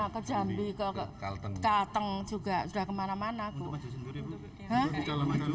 ke jambi ke kalteng juga sudah kemana mana kok